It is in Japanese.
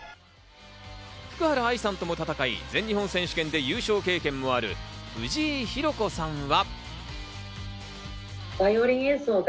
福原愛さんとも戦い、全日本選手権で優勝経験もある藤井寛子さんは。